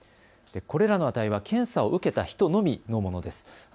これらの値は検査を受けた人のみのものです。